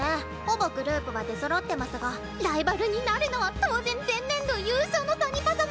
ほぼグループは出そろってますがライバルになるのは当然前年度優勝のサニパ様！